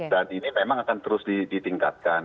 dan ini memang akan terus ditingkatkan